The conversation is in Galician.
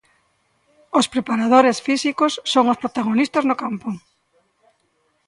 Os preparadores físicos son os protagonistas no campo.